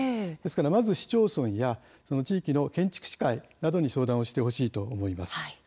まず市町村や地域の建築士会などに相談してほしいと思います。